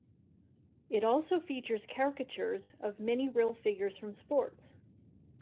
It also features caricatures of many real figures from sports.